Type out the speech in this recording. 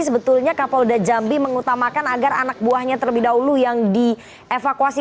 sebetulnya kapolda jambi mengutamakan agar anak buahnya terlebih dahulu yang dievakuasi